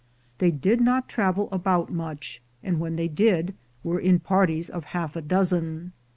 They did not travel about much, and, when they did, were in parties of half a dozen.